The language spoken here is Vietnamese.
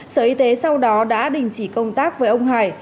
sở y tế sau đó đã đình chỉ công tác với ông hải